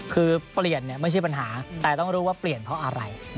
คือเปลี่ยนไม่ใช่ปัญหาแต่ต้องรู้ว่าเปลี่ยนเพราะอะไร